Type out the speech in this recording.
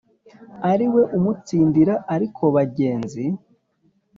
ariwe umutsindira ariko bagenzi